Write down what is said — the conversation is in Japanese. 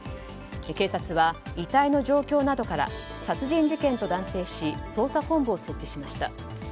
警察は遺体の状況などから殺人事件と断定し捜査本部を設置しました。